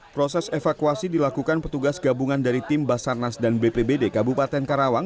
proses evakuasi dilakukan petugas gabungan dari tim basarnas dan bpbd kabupaten karawang